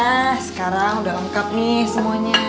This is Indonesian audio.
nah sekarang sudah lengkap nih semuanya